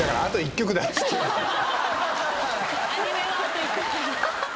アニメはあと１曲です。